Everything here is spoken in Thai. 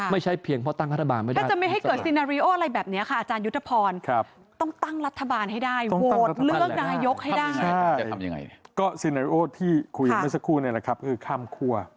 พี่คุยกันเมื่อสักครู่นี่แหละครับคือข้ามคั่ว